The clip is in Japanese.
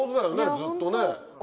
ずっとね。